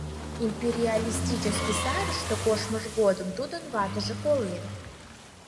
Империалистический сарыште коштмыж годым тудын ватыже колен.